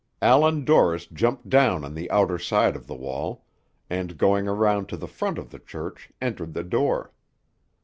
Allan Dorris jumped down on the outer side of the wall, and, going around to the front of the church, entered the door.